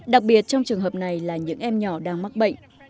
đặc biệt trong trường hợp này là những em nhỏ đang mắc bệnh